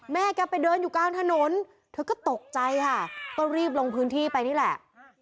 แกไปเดินอยู่กลางถนนเธอก็ตกใจค่ะก็รีบลงพื้นที่ไปนี่แหละ